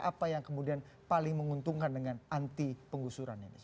apa yang kemudian paling menguntungkan dengan anti penggusuran ini